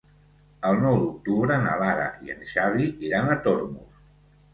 El nou d'octubre na Lara i en Xavi iran a Tormos.